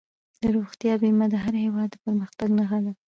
د روغتیا بیمه د هر هېواد د پرمختګ نښه ده.